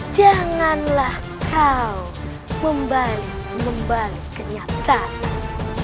janganlah kau membali membalik kenyataan